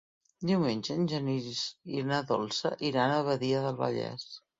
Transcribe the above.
Diumenge en Genís i na Dolça iran a Badia del Vallès.